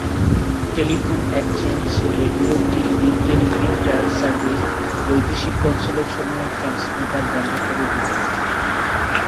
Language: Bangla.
Telephone exchange, radio, TV, teleprinter service, বৈদেশিক কনস্যুলেটসমূহের ট্রান্সমিটার বন্ধ করে দিতে হবে।